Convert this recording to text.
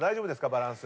バランス。